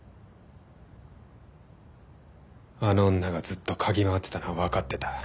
あの女がずっと嗅ぎ回ってたのはわかってた。